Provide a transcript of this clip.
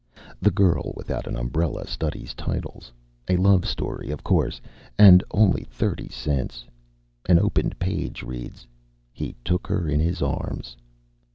The girl without an umbrella studies titles. A love story, of course, and only thirty cents. An opened page reads, "he took her in his arms...."